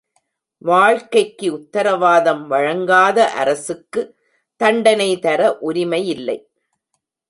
வாழ்க்கைக்கு உத்தரவாதம் வழங்காத அரசுக்கு தண்டனை தர உரிமையில்லை.